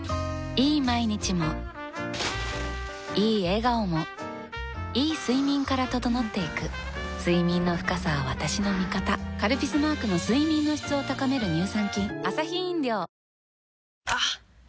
いい毎日もいい笑顔もいい睡眠から整っていく睡眠の深さは私の味方「カルピス」マークの睡眠の質を高める乳酸菌あっ！